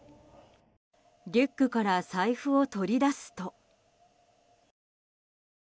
リュックから財布を取り出すと。